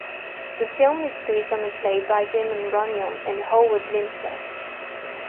The film is based on a play by Damon Runyon and Howard Lindsay.